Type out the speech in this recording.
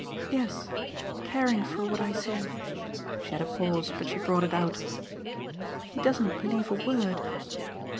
"Yes, caring for what I say." She had a pause, but she brought it out. "He doesn't believe a word